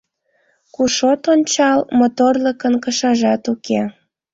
Куш от ончал, Моторлыкын кышажат уке.